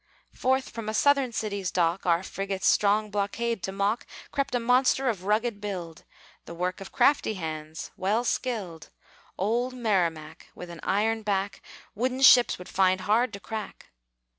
Forth from a Southern city's dock, Our frigates' strong blockade to mock, Crept a monster of rugged build, The work of crafty hands, well skilled Old Merrimac, with an iron back Wooden ships would find hard to crack.